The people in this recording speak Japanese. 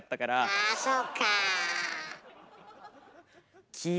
あそうか。